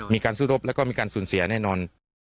มีการสู้รบแล้วก็มีการสูญเสียแน่นอน